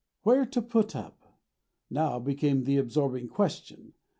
"Where to put up," now became the absorbing question.